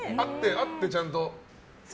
会ってちゃんと。